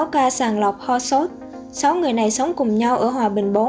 sáu ca sàng lọc ho sốt sáu người này sống cùng nhau ở hòa bình bốn